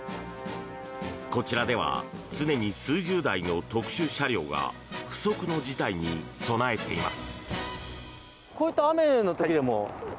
こちらでは常に数十台の特殊車両が不測の事態に備えています。